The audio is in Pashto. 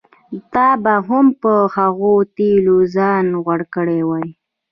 تا به هم په هغو تېلو ځان غوړ کړی و.